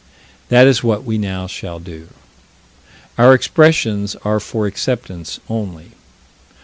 That is what we now shall do. Our expressions are for acceptance only.